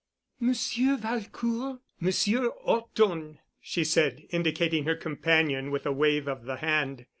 "Monsieur Valcourt—Monsieur 'Orton," she said, indicating her companion with a wave of the hand.